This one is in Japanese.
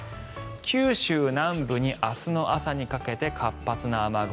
九州南部に明日の朝にかけて活発な雨雲